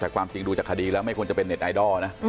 แต่ความจริงดูจากคดีแล้วไม่ควรจะเป็นเน็ตไอดอลนะ